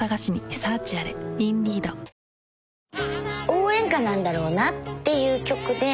応援歌なんだろうなっていう曲で。